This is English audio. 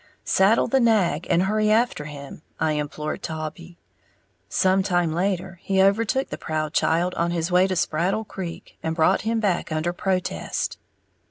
"Saddle the nag and hurry after him," I implored Taulbee. Sometime later, he overtook the proud child on his way to Spraddle Creek, and brought him back under protest.